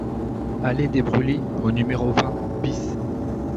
Allée des Brûlis au numéro vingt BIS